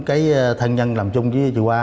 công nhân làm chung với chị hoa